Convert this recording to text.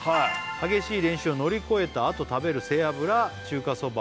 「激しい練習を乗り越えたあと食べる背脂中華そばは」